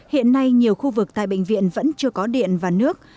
hiện nay nhiều khu vực tại bệnh viện vẫn chưa có điện và nước